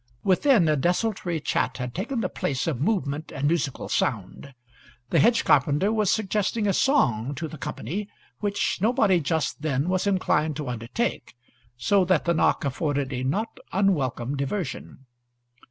Within a desultory chat had taken the place of movement and musical sound. The hedge carpenter was suggesting a song to the company, which nobody just then was inclined to undertake, so that the knock afforded a not unwelcome diversion.